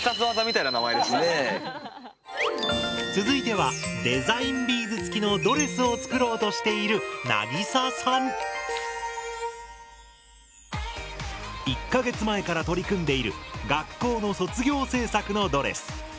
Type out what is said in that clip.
続いてはデザインビーズつきのドレスを作ろうとしている１か月前から取り組んでいる学校の卒業制作のドレス。